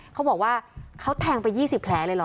เขาบอกว่าเขาแทงไป๒๐แผลเลยเหรอ